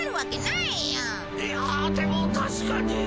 いやでも確かに。